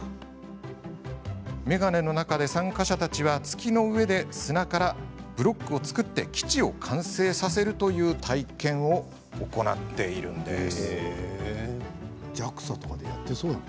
眼鏡の中で参加者たちは月の上で砂からブロックを作り基地を完成させるという体験を行っているんです。